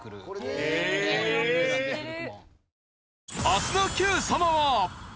明日の『Ｑさま！！』